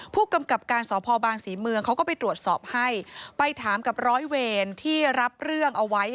ผู้กำกับการสพบางศรีเมืองเขาก็ไปตรวจสอบให้ไปถามกับร้อยเวรที่รับเรื่องเอาไว้